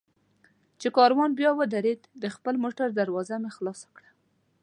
چې کاروان بیا ودرېد، د خپل موټر دروازه مې خلاصه کړه.